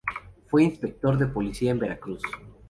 Fue inspector de Policía en Veracruz.